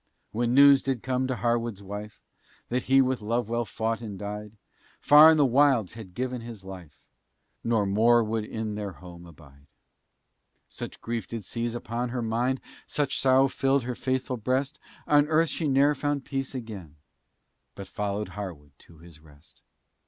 When news did come to Harwood's wife, That he with Lovewell fought and died, Far in the wilds had given his life, Nor more would in their home abide, Such grief did seize upon her mind, Such sorrow filled her faithful breast; On earth, she ne'er found peace again, But followed Harwood to his rest.